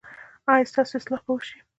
ایا ستاسو اصلاح به وشي؟